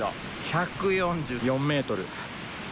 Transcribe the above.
１４４ｍ。